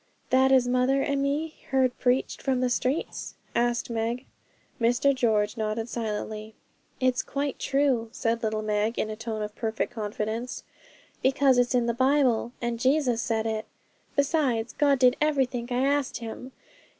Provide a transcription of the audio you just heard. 'That as mother and me heard preached from the streets?' asked Meg. Mr George nodded silently. 'It's quite true,' said little Meg, in a tone of perfect confidence, 'because it's in the Bible, and Jesus said it. Besides, God did everythink I asked Him.